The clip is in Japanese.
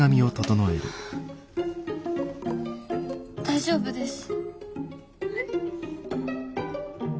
大丈夫です。